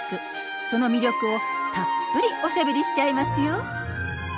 その魅力をたっぷりおしゃべりしちゃいますよ。